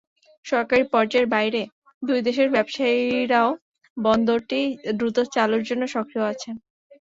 সরকারি পর্যায়ের বাইরে দুই দেশের ব্যবসায়ীরাও বন্দরটি দ্রুত চালুর জন্য সক্রিয় আছেন।